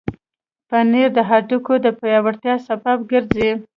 پنېر د هډوکو د پیاوړتیا سبب ګرځي.